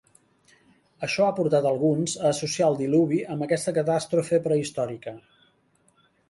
Això ha portat a alguns a associar el diluvi amb aquesta catàstrofe prehistòrica.